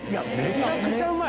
めちゃくちゃうまい。